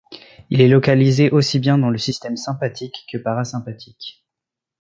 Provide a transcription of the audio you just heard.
Il est localisé aussi bien dans le système sympathique que parasympathique.